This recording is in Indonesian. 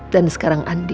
dan sekarang andin